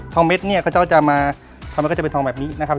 ทองเม็ดเนี่ยก็จะมาทำเป็นทองแบบนี้นะครับ